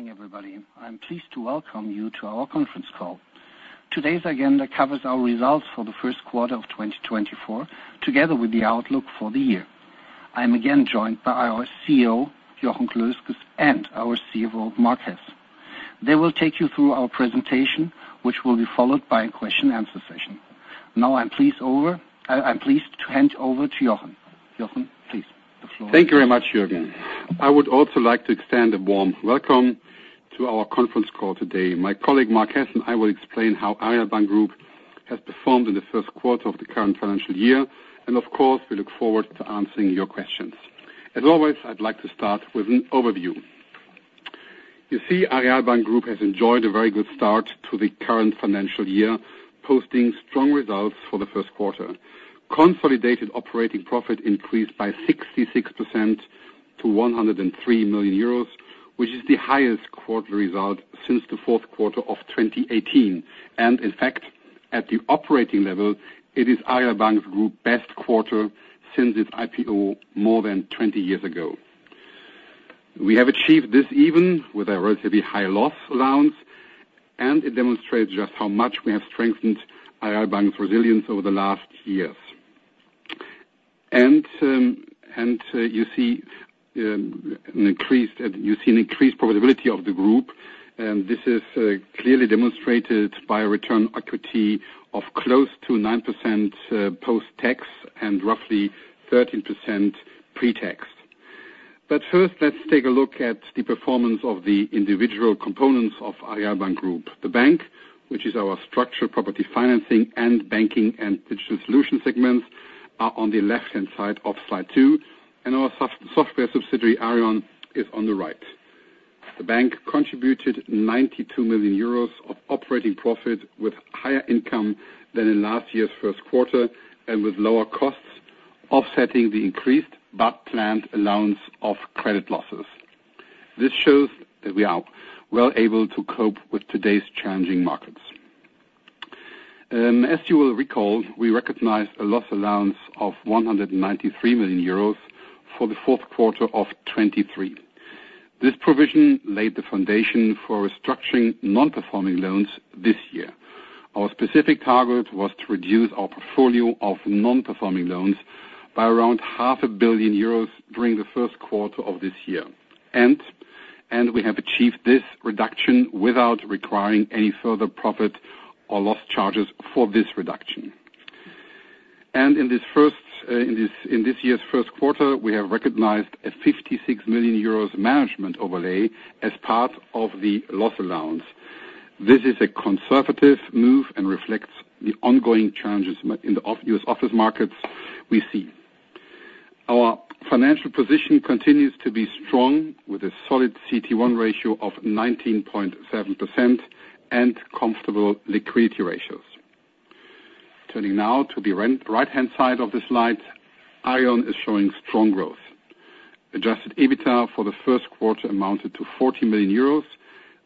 Morning, everybody. I'm pleased to welcome you to our conference call. Today's agenda covers our results for the first quarter of 2024, together with the outlook for the year. I'm again joined by our CEO, Jochen Klösges, and our CFO, Marcus. They will take you through our presentation, which will be followed by a question and answer session. Now, I'm pleased to hand over to Jochen. Jochen, please, the floor is yours. Thank you very much, Jürgen. I would also like to extend a warm welcome to our conference call today. My colleague, Marcus, and I will explain how Aareal Bank Group has performed in the first quarter of the current financial year, and of course, we look forward to answering your questions. As always, I'd like to start with an overview. You see, Aareal Bank Group has enjoyed a very good start to the current financial year, posting strong results for the first quarter. Consolidated operating profit increased by 66% to 103 million euros, which is the highest quarter result since the fourth quarter of 2018. And in fact, at the operating level, it is Aareal Bank Group best quarter since its IPO more than 20 years ago. We have achieved this even with a relatively high loss allowance, and it demonstrates just how much we have strengthened Aareal's resilience over the last years. And you see an increased profitability of the group, and this is clearly demonstrated by a return equity of close to 9%, post-tax, and roughly 13% pre-tax. But first, let's take a look at the performance of the individual components of Aareal Group. The bank, which is our structured property financing and banking and digital solution segments, are on the left-hand side of slide 2, and our software subsidiary, Aareon, is on the right. The bank contributed 92 million euros of operating profit, with higher income than in last year's first quarter, and with lower costs, offsetting the increased but planned allowance of credit losses. This shows that we are well able to cope with today's challenging markets. As you will recall, we recognized a loss allowance of 193 million euros for the fourth quarter of 2023. This provision laid the foundation for restructuring non-performing loans this year. Our specific target was to reduce our portfolio of non-performing loans by around 500 million euros during the first quarter of this year. We have achieved this reduction without requiring any further profit or loss charges for this reduction. In this year's first quarter, we have recognized a 56 million euros management overlay as part of the loss allowance. This is a conservative move and reflects the ongoing challenges in the US office markets we see. Our financial position continues to be strong, with a solid CET1 ratio of 19.7% and comfortable liquidity ratios. Turning now to the right-hand side of the slide, Aareon is showing strong growth. Adjusted EBITDA for the first quarter amounted to 40 million euros.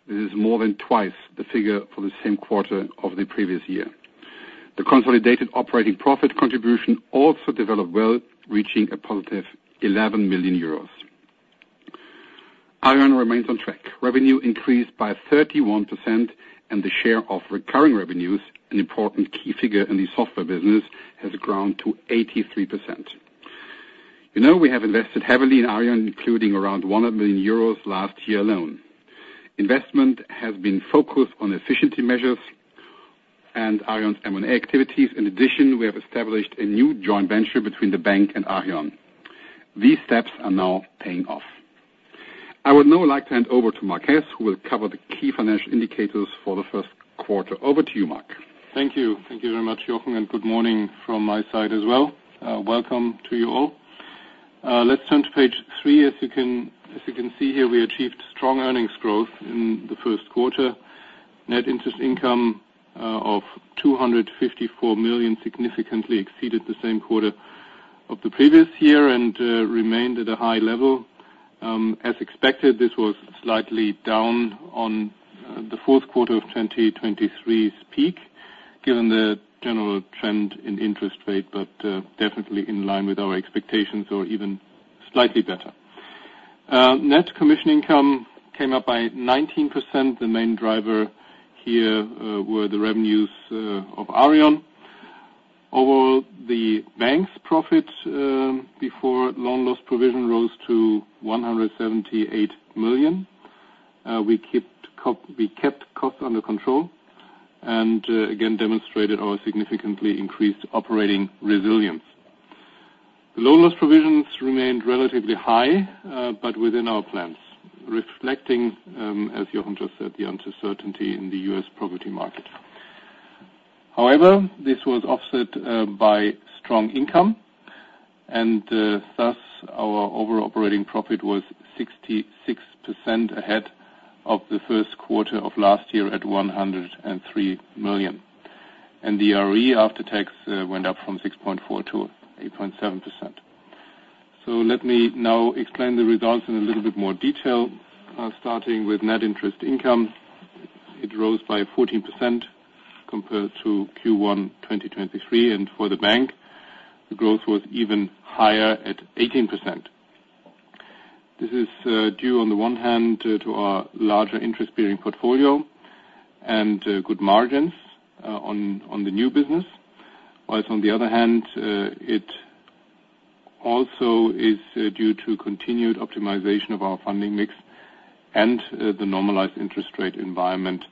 This is more than twice the figure for the same quarter of the previous year. The consolidated operating profit contribution also developed well, reaching a positive 11 million euros. Aareon remains on track. Revenue increased by 31%, and the share of recurring revenues, an important key figure in the software business, has grown to 83%. You know, we have invested heavily in Aareon, including around 100 million euros last year alone. Investment has been focused on efficiency measures and Aareon's M&A activities. In addition, we have established a new joint venture between the bank and Aareon. These steps are now paying off. I would now like to hand over to Marc, who will cover the key financial indicators for the first quarter. Over to you, Marc. Thank you. Thank you very much, Jochen, and good morning from my side as well. Welcome to you all. Let's turn to page three. As you can see here, we achieved strong earnings growth in the first quarter. Net interest income of 254 million significantly exceeded the same quarter of the previous year and remained at a high level. As expected, this was slightly down on the fourth quarter of 2023's peak, given the general trend in interest rate, but definitely in line with our expectations or even slightly better. Net commission income came up by 19%. The main driver here were the revenues of Aareon. Overall, the bank's profit before loan loss provision rose to 178 million. We kept costs under control and again demonstrated our significantly increased operating resilience. The loan loss provisions remained relatively high, but within our plans, reflecting, as Jochen just said, the uncertainty in the US property market. However, this was offset by strong income, and thus, our overall operating profit was 66% ahead of the first quarter of last year at 103 million. The RoE after tax went up from 6.4% to 8.7%. So let me now explain the results in a little bit more detail, starting with net interest income. It rose by 14% compared to Q1 2023, and for the bank, the growth was even higher at 18%. This is due on the one hand to our larger interest-bearing portfolio and good margins on the new business. While on the other hand, it also is due to continued optimization of our funding mix and the normalized interest rate environment,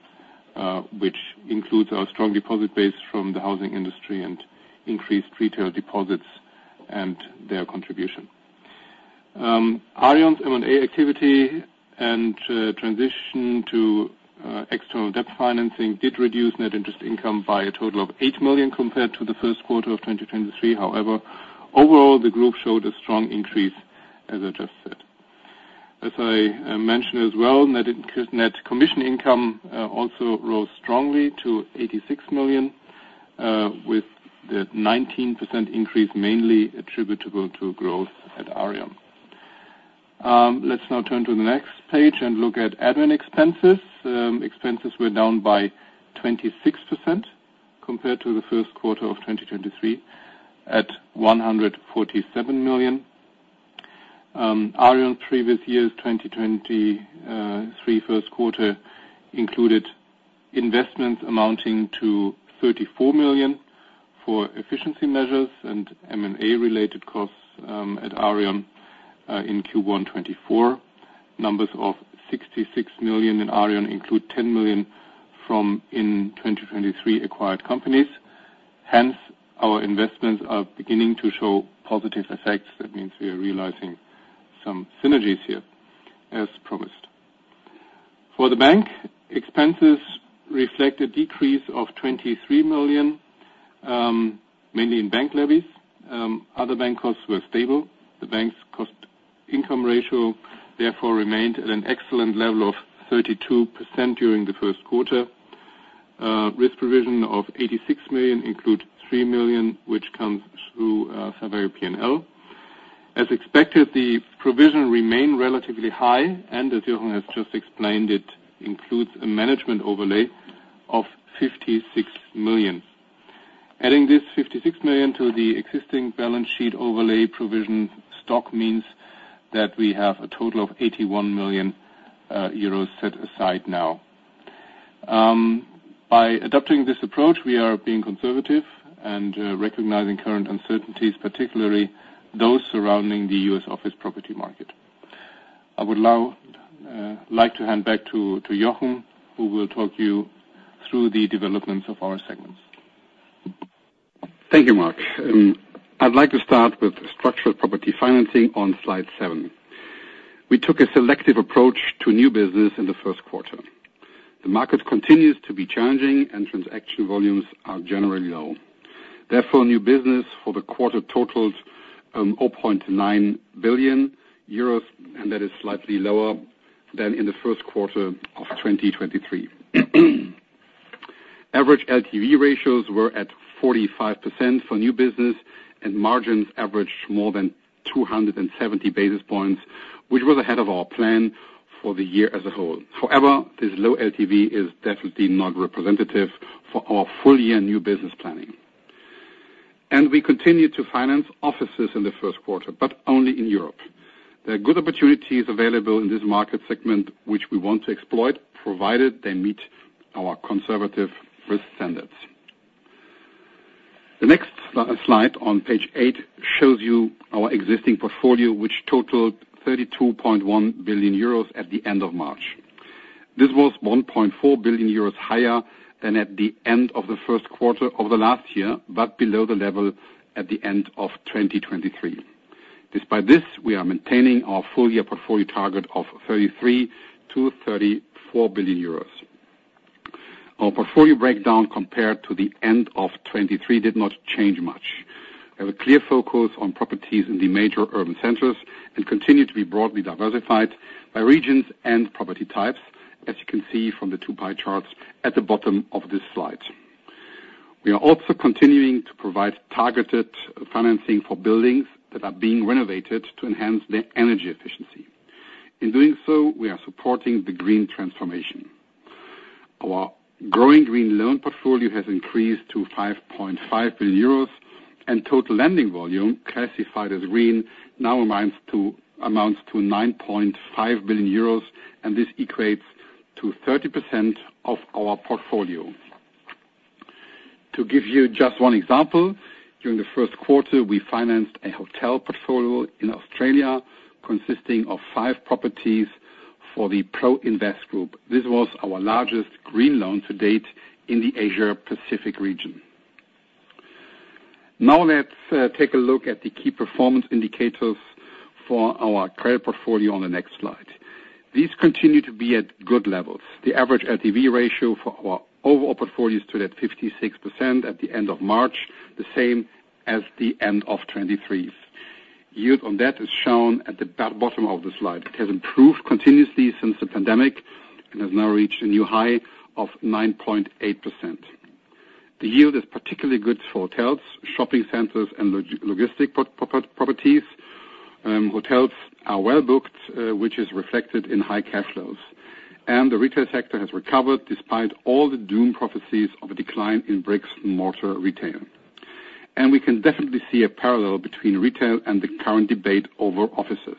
which includes our strong deposit base from the housing industry and increased retail deposits and their contribution. Aareon's M&A activity and transition to external debt financing did reduce net interest income by a total of 8 million compared to the first quarter of 2023. However, overall, the group showed a strong increase, as I just said. As I mentioned as well, net commission income also rose strongly to 86 million with the 19% increase mainly attributable to growth at Aareon. Let's now turn to the next page and look at admin expenses. Expenses were down by 26% compared to the first quarter of 2023, at 147 million. Aareon previous years, 2023 first quarter, included investments amounting to 34 million for efficiency measures and M&A related costs, at Aareon, in Q1 2024. Numbers of 66 million in Aareon include 10 million from in 2023 acquired companies. Hence, our investments are beginning to show positive effects. That means we are realizing some synergies here, as promised. For the bank, expenses reflect a decrease of 23 million, mainly in bank levies. Other bank costs were stable. The bank's cost income ratio, therefore, remained at an excellent level of 32% during the first quarter. Risk provision of 86 million includes 3 million, which comes through Savario P&L. As expected, the provision remained relatively high, and as Jochen has just explained, it includes a management overlay of 56 million. Adding this 56 million to the existing balance sheet overlay provision stock means that we have a total of 81 million euros set aside now. By adopting this approach, we are being conservative and recognizing current uncertainties, particularly those surrounding the U.S. office property market. I would now like to hand back to Jochen, who will talk you through the developments of our segments. Thank you, Mark. I'd like to start with structured property financing on Slide 7. We took a selective approach to new business in the first quarter. The market continues to be challenging and transaction volumes are generally low. Therefore, new business for the quarter totals 0.9 billion euros, and that is slightly lower than in the first quarter of 2023. Average LTV ratios were at 45% for new business, and margins averaged more than 270 basis points, which was ahead of our plan for the year as a whole. However, this low LTV is definitely not representative for our full-year new business planning. We continued to finance offices in the first quarter, but only in Europe. There are good opportunities available in this market segment, which we want to exploit, provided they meet our conservative risk standards. The next slide on page eight shows you our existing portfolio, which totaled 32.1 billion euros at the end of March. This was 1.4 billion euros higher than at the end of the first quarter of the last year, but below the level at the end of 2023. Despite this, we are maintaining our full-year portfolio target of 33 billion-34 billion euros. Our portfolio breakdown compared to the end of 2023 did not change much. We have a clear focus on properties in the major urban centers and continue to be broadly diversified by regions and property types, as you can see from the two pie charts at the bottom of this slide. We are also continuing to provide targeted financing for buildings that are being renovated to enhance their energy efficiency. In doing so, we are supporting the green transformation. Our growing green loan portfolio has increased to 5.5 billion euros, and total lending volume, classified as green, now amounts to 9.5 billion euros, and this equates to 30% of our portfolio. To give you just one example, during the first quarter, we financed a hotel portfolio in Australia consisting of five properties for the Pro-invest Group. This was our largest green loan to date in the Asia Pacific region. Now, let's take a look at the key performance indicators for our credit portfolio on the next slide. These continue to be at good levels. The average LTV ratio for our overall portfolio stood at 56% at the end of March, the same as the end of 2023. Yield on that is shown at the bottom of the slide. It has improved continuously since the pandemic and has now reached a new high of 9.8%. The yield is particularly good for hotels, shopping centers, and logistics properties. Hotels are well-booked, which is reflected in high cash flows. The retail sector has recovered despite all the doom prophecies of a decline in bricks and mortar retail. We can definitely see a parallel between retail and the current debate over offices.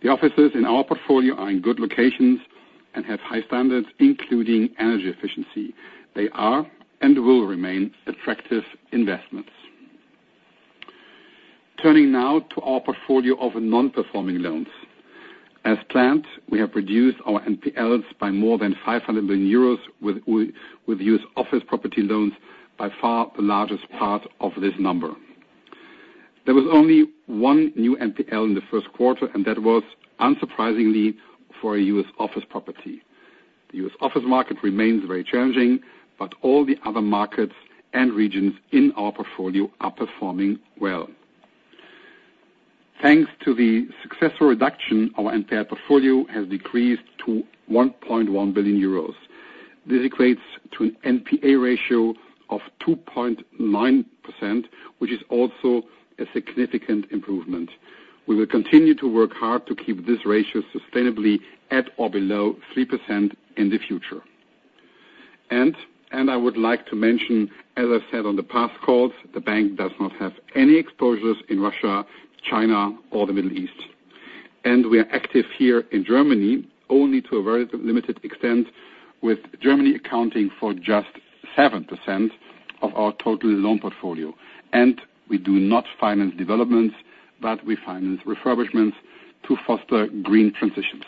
The offices in our portfolio are in good locations and have high standards, including energy efficiency. They are, and will remain, attractive investments. Turning now to our portfolio of non-performing loans. As planned, we have reduced our NPLs by more than 500 million euros with US office property loans, by far the largest part of this number. There was only 1 new NPL in the first quarter, and that was unsurprisingly for a U.S. office property. The U.S. office market remains very challenging, but all the other markets and regions in our portfolio are performing well. Thanks to the successful reduction, our NPL portfolio has decreased to 1.1 billion euros. This equates to an NPA ratio of 2.9%, which is also a significant improvement. We will continue to work hard to keep this ratio sustainably at or below 3% in the future. And I would like to mention, as I said on the past calls, the bank does not have any exposures in Russia, China, or the Middle East. We are active here in Germany only to a very limited extent, with Germany accounting for just 7% of our total loan portfolio. We do not finance developments, but we finance refurbishments to foster green transitions.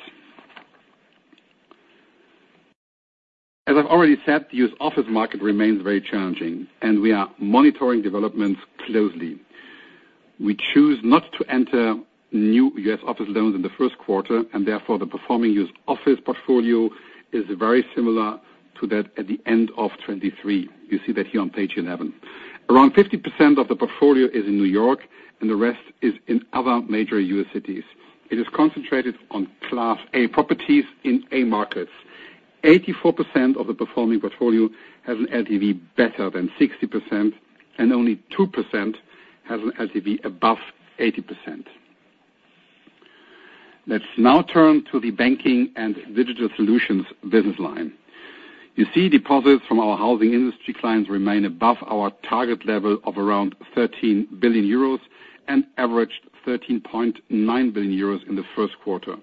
As I've already said, the US office market remains very challenging, and we are monitoring developments closely. We choose not to enter new US office loans in the first quarter, and therefore, the performing US office portfolio is very similar to that at the end of 2023. You see that here on page 11. Around 50% of the portfolio is in New York, and the rest is in other major US cities. It is concentrated on Class A properties in A markets. 84% of the performing portfolio has an LTV better than 60%, and only 2% has an LTV above 80%. Let's now turn to the banking and digital solutions business line. You see, deposits from our housing industry clients remain above our target level of around 13 billion euros and averaged 13.9 billion euros in the first quarter.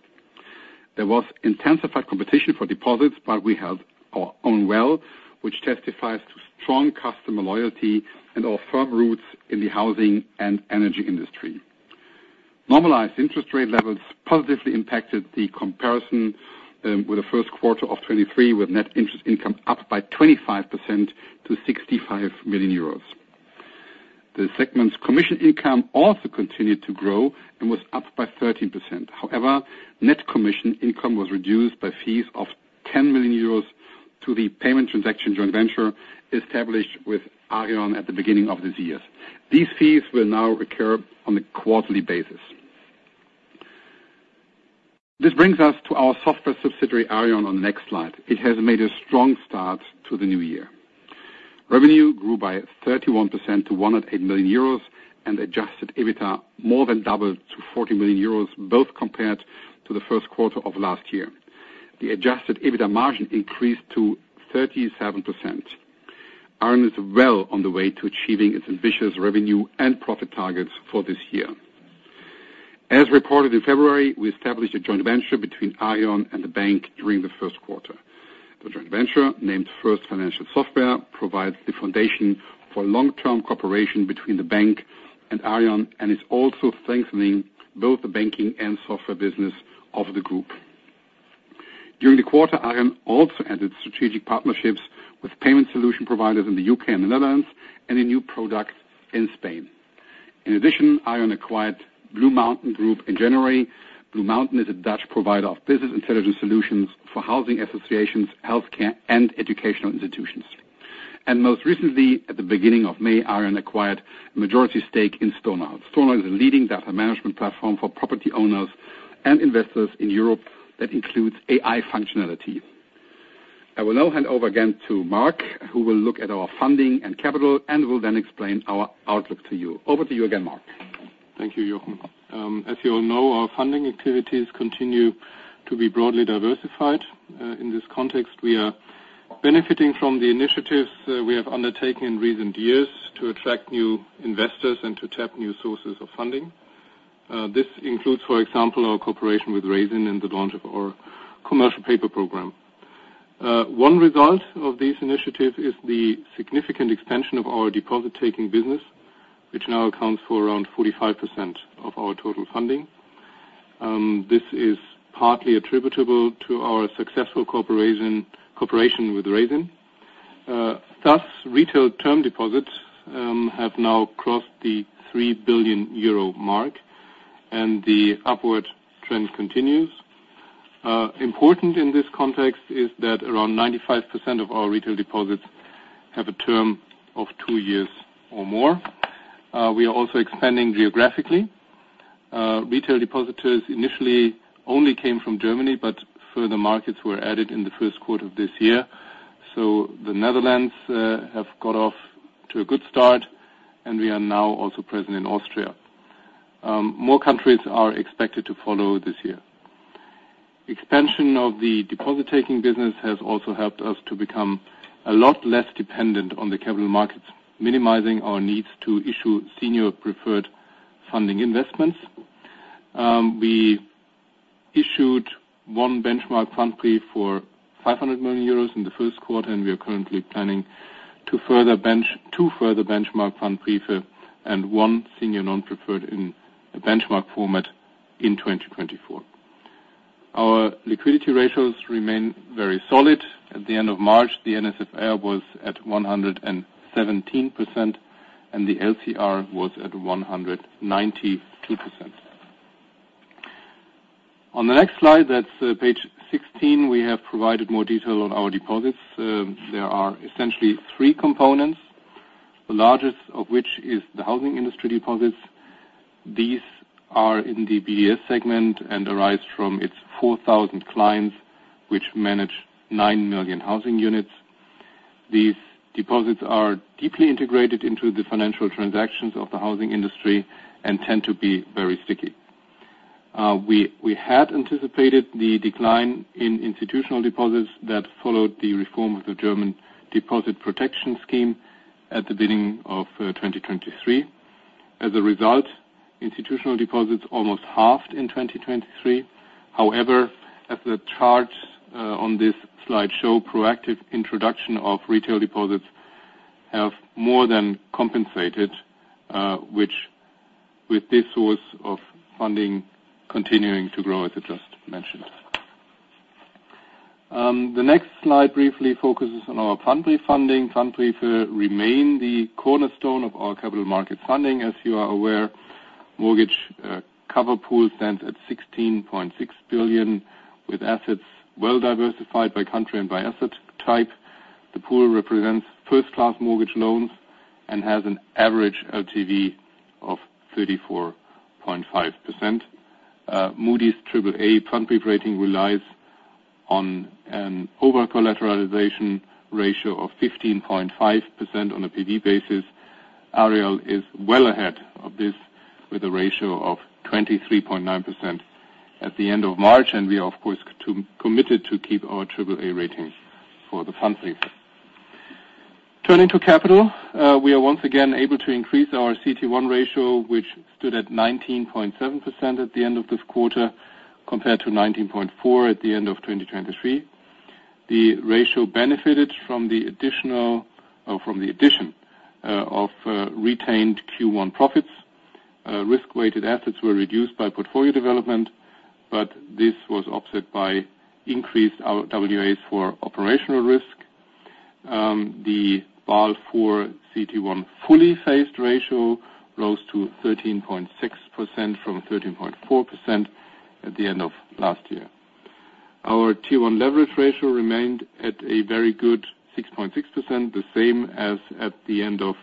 There was intensified competition for deposits, but we held our own well, which testifies to strong customer loyalty and our firm roots in the housing and energy industry. Normalized interest rate levels positively impacted the comparison with the first quarter of 2023, with net interest income up by 25% to 65 million euros. The segment's commission income also continued to grow and was up by 13%. However, net commission income was reduced by fees of 10 million euros to the payment transaction joint venture established with Aareon at the beginning of this year. These fees will now recur on a quarterly basis. This brings us to our software subsidiary, Aareon, on the next slide. It has made a strong start to the new year. Revenue grew by 31% to 108 million euros, and adjusted EBITDA more than doubled to 40 million euros, both compared to the first quarter of last year. The adjusted EBITDA margin increased to 37%. Aareon is well on the way to achieving its ambitious revenue and profit targets for this year. As reported in February, we established a joint venture between Aareon and the bank during the first quarter. The joint venture, named First Financial Software, provides the foundation for long-term cooperation between the bank and Aareon, and it's also strengthening both the banking and software business of the group. During the quarter, Aareon also added strategic partnerships with payment solution providers in the UK and the Netherlands, and a new product in Spain. In addition, Aareon acquired BlueMountain in January. Blue Mountain is a Dutch provider of business intelligence solutions for housing associations, healthcare, and educational institutions. Most recently, at the beginning of May, Aareon acquired a majority stake in Stonal. Stonal is a leading data management platform for property owners and investors in Europe that includes AI functionality. I will now hand over again to Mark, who will look at our funding and capital and will then explain our outlook to you. Over to you again, Mark. Thank you, Jochen. As you all know, our funding activities continue to be broadly diversified. In this context, we are benefiting from the initiatives we have undertaken in recent years to attract new investors and to tap new sources of funding. This includes, for example, our cooperation with Raisin and the launch of our commercial paper program. One result of this initiative is the significant expansion of our deposit-taking business, which now accounts for around 45% of our total funding. This is partly attributable to our successful cooperation with Raisin. Thus, retail term deposits have now crossed the 3 billion euro mark, and the upward trend continues. Important in this context is that around 95% of our retail deposits have a term of two years or more. We are also expanding geographically.... Retail depositors initially only came from Germany, but further markets were added in the first quarter of this year. The Netherlands have got off to a good start, and we are now also present in Austria. More countries are expected to follow this year. Expansion of the deposit-taking business has also helped us to become a lot less dependent on the capital markets, minimizing our needs to issue senior preferred funding investments. We issued one benchmark Pfandbrief for 500 million euros in the first quarter, and we are currently planning two further benchmark Pfandbriefe and one senior non-preferred in the benchmark format in 2024. Our liquidity ratios remain very solid. At the end of March, the NSFR was at 117%, and the LCR was at 192%. On the next slide, that's page 16, we have provided more detail on our deposits. There are essentially three components, the largest of which is the housing industry deposits. These are in the BDS segment and arise from its 4,000 clients, which manage 9 million housing units. These deposits are deeply integrated into the financial transactions of the housing industry and tend to be very sticky. We had anticipated the decline in institutional deposits that followed the reform of the German deposit protection scheme at the beginning of 2023. As a result, institutional deposits almost halved in 2023. However, as the charts on this slide show, proactive introduction of retail deposits have more than compensated, which with this source of funding continuing to grow, as I just mentioned. The next slide briefly focuses on our Pfandbrief funding. Pfandbrief remains the cornerstone of our capital market funding. As you are aware, mortgage cover pool stands at 16.6 billion, with assets well diversified by country and by asset type. The pool represents first-class mortgage loans and has an average LTV of 34.5%. Moody's triple-A Pfandbrief rating relies on an over-collateralization ratio of 15.5% on a PD basis. Aareal is well ahead of this, with a ratio of 23.9% at the end of March, and we are, of course, committed to keep our triple-A rating for the Pfandbrief. Turning to capital, we are once again able to increase our CET1 ratio, which stood at 19.7% at the end of this quarter, compared to 19.4% at the end of 2023. The ratio benefited from the additional, or from the addition, of retained Q1 profits. Risk-weighted assets were reduced by portfolio development, but this was offset by increased RWAs for operational risk. The Basel IV CET1 fully phased ratio rose to 13.6% from 13.4% at the end of last year. Our Tier 1 leverage ratio remained at a very good 6.6%, the same as at the end of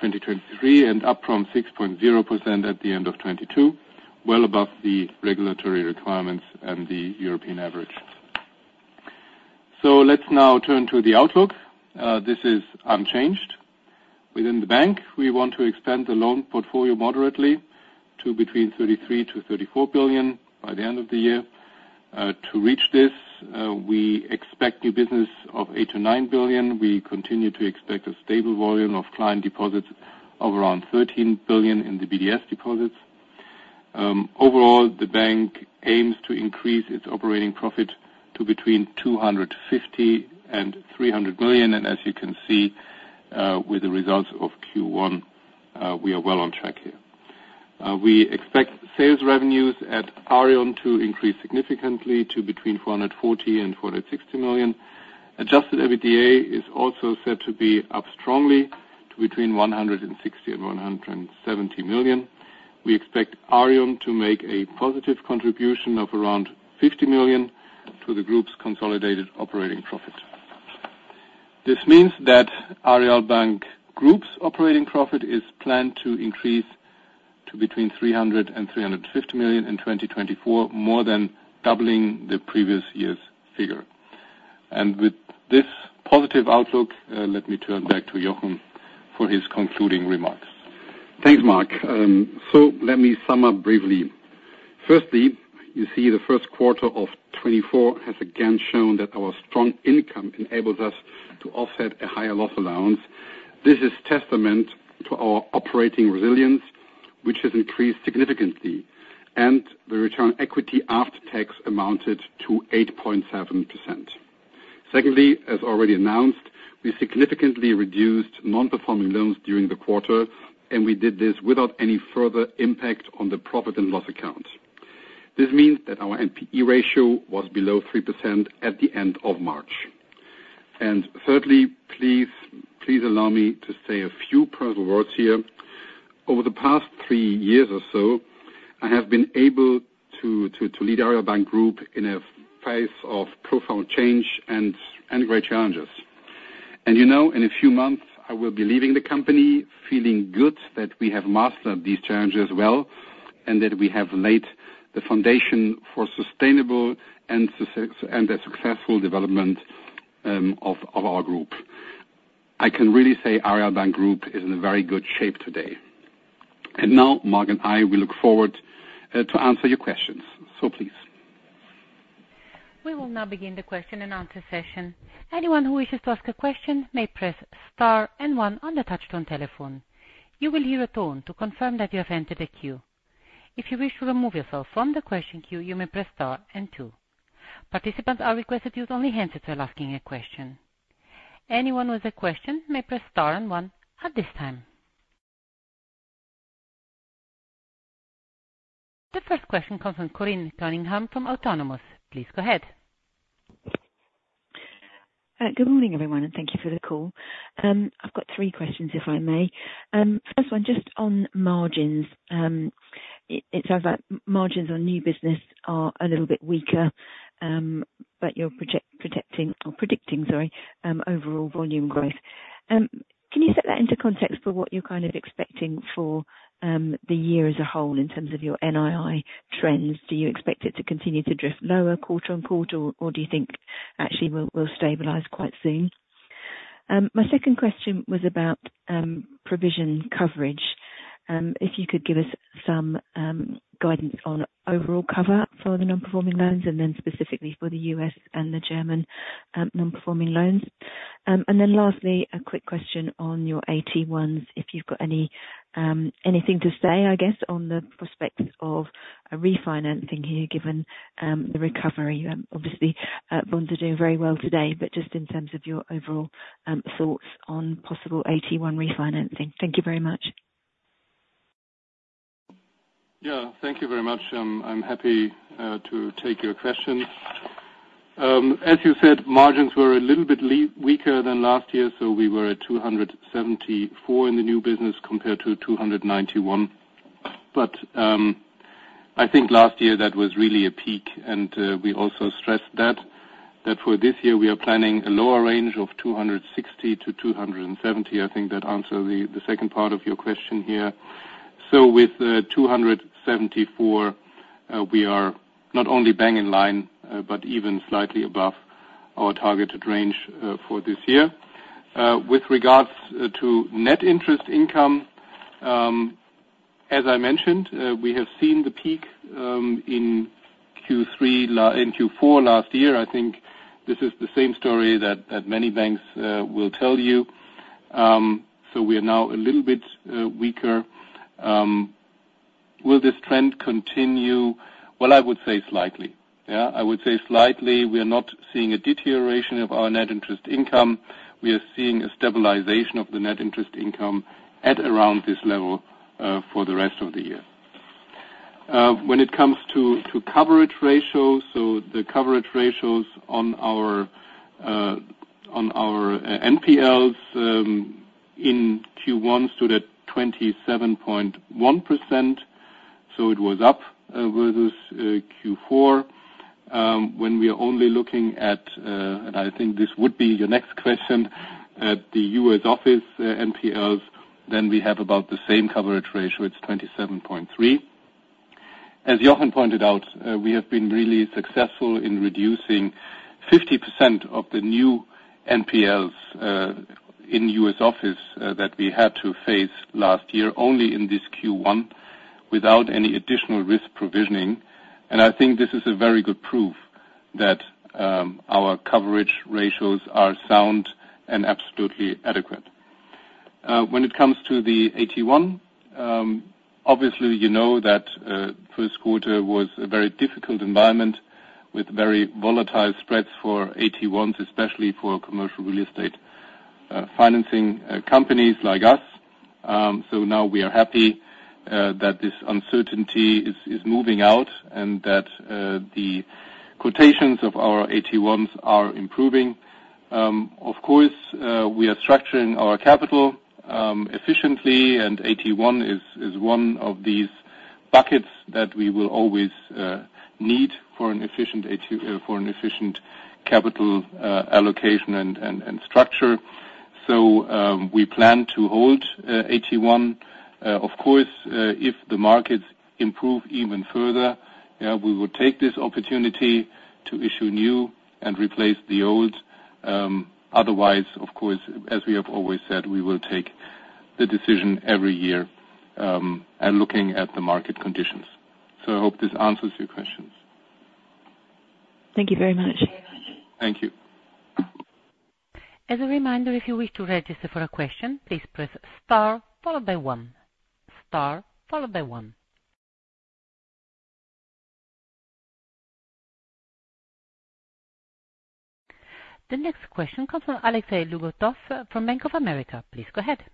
2023, and up from 6.0% at the end of 2022, well above the regulatory requirements and the European average. Let's now turn to the outlook. This is unchanged. Within the bank, we want to expand the loan portfolio moderately to between 33 billion and 34 billion by the end of the year. To reach this, we expect new business of 8 billion-9 billion. We continue to expect a stable volume of client deposits of around 13 billion in the BDS deposits. Overall, the bank aims to increase its operating profit to between 250 million and 300 million, and as you can see, with the results of Q1, we are well on track here. We expect sales revenues at Aareon to increase significantly to between 440 million and 460 million. Adjusted EBITDA is also set to be up strongly to between 160 million and 170 million. We expect Aareon to make a positive contribution of around 50 million to the group's consolidated operating profit. This means that Aareal Bank Group's operating profit is planned to increase to between 300 million and 350 million in 2024, more than doubling the previous year's figure. With this positive outlook, let me turn back to Jochen for his concluding remarks. Thanks, Mark. So let me sum up briefly. Firstly, you see the first quarter of 2024 has again shown that our strong income enables us to offset a higher loss allowance. This is testament to our operating resilience, which has increased significantly, and the return on equity after tax amounted to 8.7%. Secondly, as already announced, we significantly reduced non-performing loans during the quarter, and we did this without any further impact on the profit and loss account. This means that our NPE ratio was below 3% at the end of March. And thirdly, please, please allow me to say a few personal words here. Over the past three years or so, I have been able to lead Aareal Bank Group in a phase of profound change and great challenges.... And you know, in a few months I will be leaving the company, feeling good that we have mastered these challenges well, and that we have laid the foundation for sustainable and a successful development of our group. I can really say Aareal Group is in a very good shape today. And now, Mark and I, we look forward to answer your questions. So please. We will now begin the question and answer session. Anyone who wishes to ask a question may press star and one on the touchtone telephone. You will hear a tone to confirm that you have entered a queue. If you wish to remove yourself from the question queue, you may press star and two. Participants are requested to use only hands while asking a question. Anyone with a question may press star and one at this time. The first question comes from Corinne Cunningham from Autonomous. Please go ahead. Good morning, everyone, and thank you for the call. I've got three questions, if I may. First one, just on margins. It says that margins on new business are a little bit weaker, but you're projecting or predicting, sorry, overall volume growth. Can you set that into context for what you're kind of expecting for the year as a whole in terms of your NII trends? Do you expect it to continue to drift lower quarter-on-quarter, or do you think actually we'll stabilize quite soon? My second question was about provision coverage. If you could give us some guidance on overall cover for the non-performing loans, and then specifically for the U.S. and the German non-performing loans. And then lastly, a quick question on your AT1s, if you've got any, anything to say, I guess, on the prospects of a refinancing here, given the recovery? Obviously, bonds are doing very well today, but just in terms of your overall thoughts on possible AT1 refinancing. Thank you very much. Yeah, thank you very much. I'm happy to take your questions. As you said, margins were a little bit weaker than last year, so we were at 274 in the new business, compared to 291. But I think last year that was really a peak, and we also stressed that for this year we are planning a lower range of 260-270. I think that answers the second part of your question here. So with 274, we are not only bang in line, but even slightly above our targeted range for this year. With regards to net interest income, as I mentioned, we have seen the peak in Q4 last year. I think this is the same story that many banks will tell you. So we are now a little bit weaker. Will this trend continue? Well, I would say slightly. Yeah, I would say slightly. We are not seeing a deterioration of our net interest income. We are seeing a stabilization of the net interest income at around this level for the rest of the year. When it comes to coverage ratios, so the coverage ratios on our NPLs in Q1 stood at 27.1%, so it was up versus Q4. When we are only looking at, and I think this would be your next question, at the US office NPLs, then we have about the same coverage ratio, it's 27.3%. As Jochen pointed out, we have been really successful in reducing 50% of the new NPLs in U.S. office that we had to face last year, only in this Q1, without any additional risk provisioning. I think this is a very good proof that our coverage ratios are sound and absolutely adequate. When it comes to the AT1, obviously, you know that, first quarter was a very difficult environment with very volatile spreads for AT1s, especially for commercial real estate financing companies like us. So now we are happy that this uncertainty is moving out, and that the quotations of our AT1s are improving. Of course, we are structuring our capital efficiently, and AT1 is one of these buckets that we will always need for an efficient AT... For an efficient capital allocation and structure. So, we plan to hold AT1. Of course, if the markets improve even further, we will take this opportunity to issue new and replace the old. Otherwise, of course, as we have always said, we will take the decision every year, and looking at the market conditions. So I hope this answers your questions. Thank you very much. Thank you. As a reminder, if you wish to register for a question, please press star followed by one. Star followed by one. The next question comes from Alexei Lugovtsov from Bank of America. Please go ahead.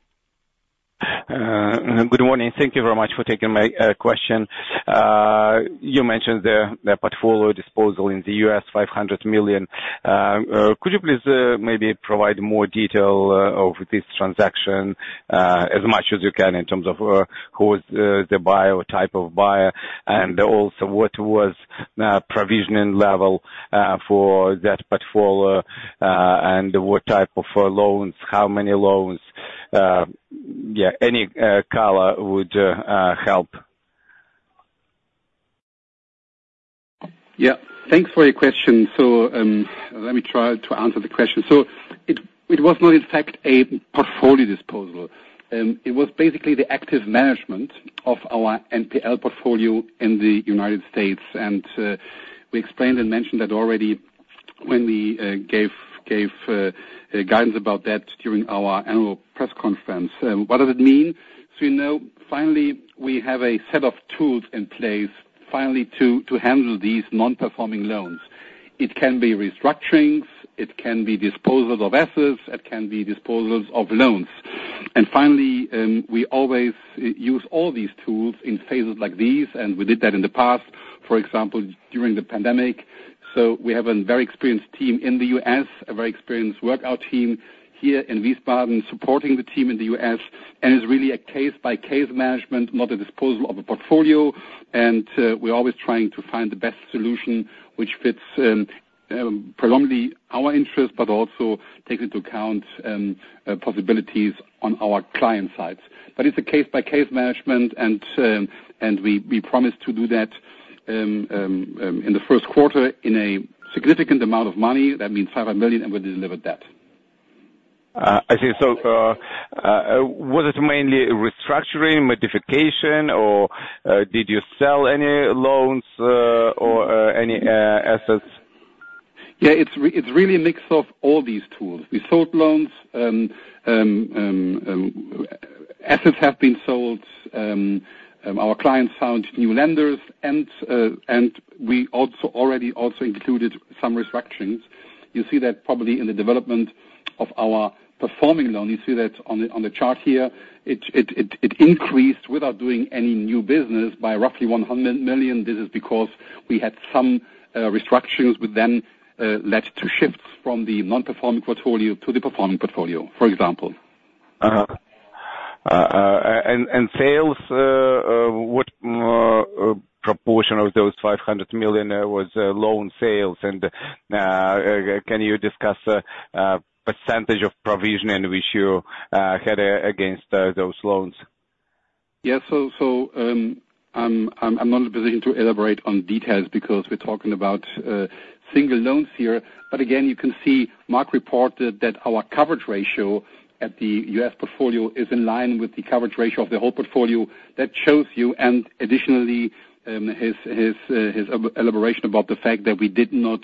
Good morning. Thank you very much for taking my question. You mentioned the portfolio disposal in the U.S., 500 million. Could you please maybe provide more detail of this transaction, as much as you can in terms of who is the buyer or type of buyer, and also what was provisioning level for that portfolio, and what type of loans, how many loans? Yeah, any color would help. Yeah. Thanks for your question. So, let me try to answer the question. So it was not, in fact, a portfolio disposal. It was basically the active management of our NPL portfolio in the United States. And we explained and mentioned that already when we gave guidance about that during our annual press conference. What does it mean? So, you know, finally, we have a set of tools in place, finally, to handle these non-performing loans. It can be restructurings, it can be disposals of assets, it can be disposals of loans. And finally, we always use all these tools in phases like these, and we did that in the past, for example, during the pandemic. So we have a very experienced team in the U.S., a very experienced workout team here in Wiesbaden, supporting the team in the U.S., and it's really a case-by-case management, not a disposal of a portfolio. And we're always trying to find the best solution which fits, predominantly our interests, but also takes into account, possibilities on our client sides. But it's a case-by-case management, and we promise to do that, in the first quarter in a significant amount of money. That means 500 million, and we delivered that. I see. So, was it mainly restructuring, modification, or did you sell any loans, or any assets? Yeah, it's really a mix of all these tools. We sold loans, assets have been sold, our clients found new lenders, and we also already included some restructurings. You see that probably in the development of our performing loans. You see that on the chart here. It increased without doing any new business by roughly 100 million. This is because we had some restructurings, which then led to shifts from the non-performing portfolio to the performing portfolio, for example. And sales, what proportion of those 500 million was loan sales? And can you discuss percentage of provision in which you had against those loans? Yeah. So, I'm not in a position to elaborate on details because we're talking about single loans here. But again, you can see, Mark reported that our coverage ratio at the US portfolio is in line with the coverage ratio of the whole portfolio. That shows you, and additionally, his elaboration about the fact that we did not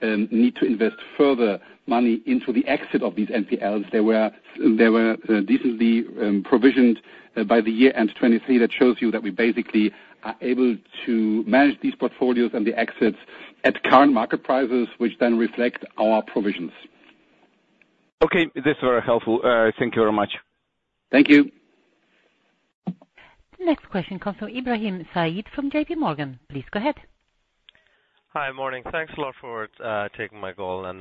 need to invest further money into the exit of these NPLs. There were -- this is the provisions by the year-end 2023, that shows you that we basically are able to manage these portfolios and the exits at current market prices, which then reflect our provisions. Okay, this is very helpful. Thank you very much. Thank you. Next question comes from Ibrahim Said from J.P. Morgan. Please go ahead. Hi, morning. Thanks a lot for taking my call and,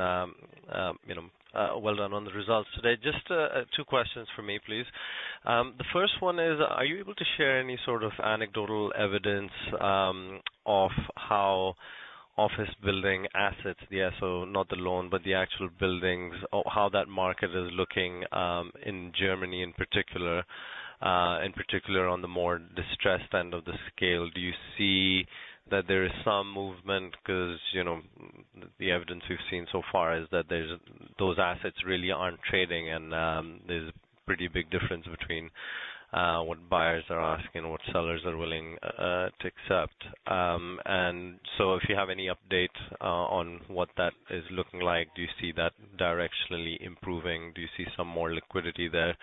you know, well done on the results today. Just two questions from me, please. The first one is, are you able to share any sort of anecdotal evidence of how office building assets, yeah, so not the loan, but the actual buildings, of how that market is looking in Germany in particular, in particular, on the more distressed end of the scale? Do you see that there is some movement? Because, you know, the evidence we've seen so far is that there's those assets really aren't trading, and there's a pretty big difference between what buyers are asking and what sellers are willing to accept. And so if you have any update on what that is looking like, do you see that directionally improving? Do you see some more liquidity there?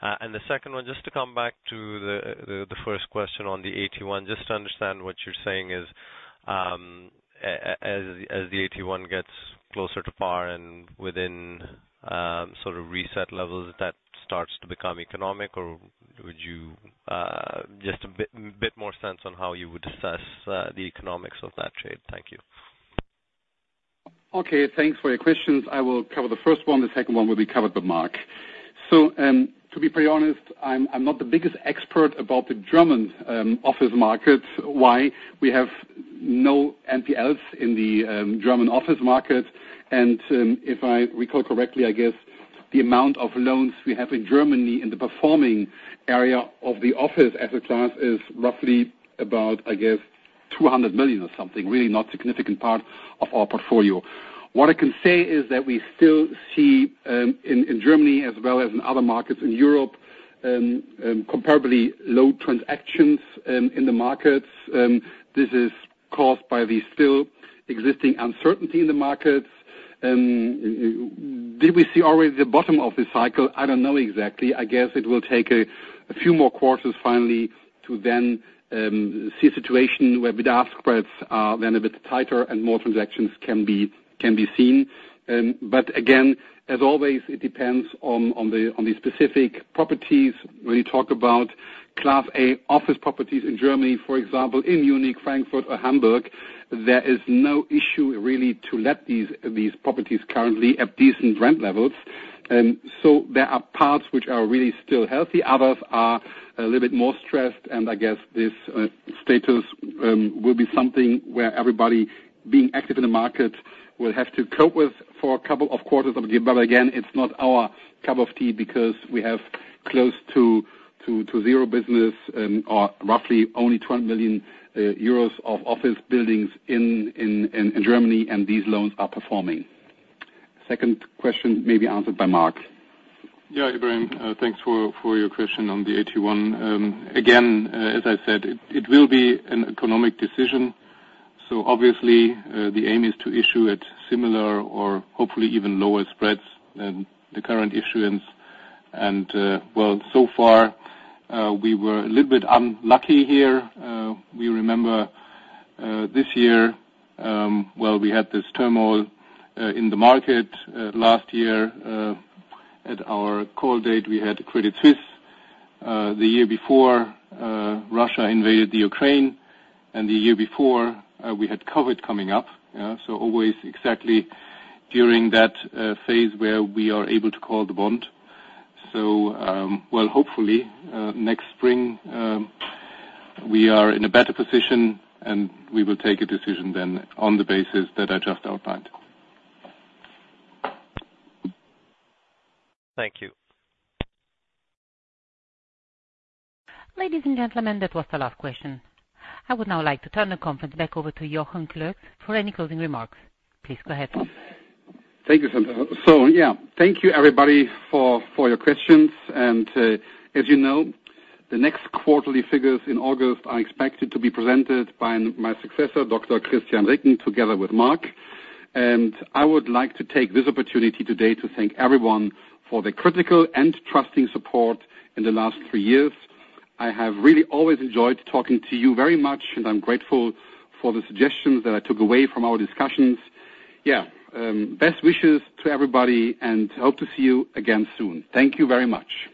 And the second one, just to come back to the first question on the AT1, just to understand what you're saying is, as the AT1 gets closer to par and within sort of reset levels, that starts to become economic, or would you... Just a bit more sense on how you would assess the economics of that trade. Thank you. Okay, thanks for your questions. I will cover the first one. The second one will be covered by Mark. So, to be pretty honest, I'm not the biggest expert about the German office market. Why? We have no NPLs in the German office market, and, if I recall correctly, I guess the amount of loans we have in Germany in the performing area of the office as a class is roughly about, I guess, 200 million or something, really not significant part of our portfolio. What I can say is that we still see in Germany as well as in other markets in Europe comparably low transactions in the markets. This is caused by the still existing uncertainty in the markets. Did we see already the bottom of the cycle? I don't know exactly. I guess it will take a few more quarters finally to then see a situation where bid-ask spreads are then a bit tighter and more transactions can be seen. But again, as always, it depends on the specific properties when you talk about Class A office properties in Germany, for example, in Munich, Frankfurt or Hamburg, there is no issue really to let these properties currently at decent rent levels. And so there are parts which are really still healthy, others are a little bit more stressed, and I guess this status will be something where everybody being active in the market will have to cope with for a couple of quarters. But again, it's not our cup of tea because we have close to zero business or roughly only 20 million euros of office buildings in Germany, and these loans are performing. Second question may be answered by Mark. Yeah, Ibrahim, thanks for your question on the AT1. Again, as I said, it will be an economic decision, so obviously, the aim is to issue at similar or hopefully even lower spreads than the current issuance. And, well, so far, we were a little bit unlucky here. We remember this year, well, we had this turmoil in the market. Last year, at our call date, we had Credit Suisse. The year before, Russia invaded the Ukraine, and the year before, we had COVID coming up. So always exactly during that phase where we are able to call the bond. So, well, hopefully, next spring, we are in a better position, and we will take a decision then on the basis that I just outlined. Thank you. Ladies and gentlemen, that was the last question. I would now like to turn the conference back over to Jochen Klösges for any closing remarks. Please go ahead. Thank you, Sandra. So, yeah, thank you, everybody, for your questions. And, as you know, the next quarterly figures in August are expected to be presented by my successor, Dr. Christian Ricken, together with Mark. And I would like to take this opportunity today to thank everyone for the critical and trusting support in the last three years. I have really always enjoyed talking to you very much, and I'm grateful for the suggestions that I took away from our discussions. Yeah, best wishes to everybody, and hope to see you again soon. Thank you very much.